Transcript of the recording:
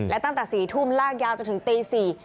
และตั้งแต่๔ทุ่มลากยาวจนถึงตี๔